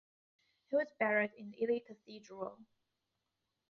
He was buried in Ely Cathedral.